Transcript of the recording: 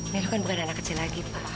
ini kan bukan anak kecil lagi pak